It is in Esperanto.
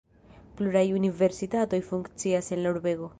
Pluraj universitatoj funkcias en la urbego.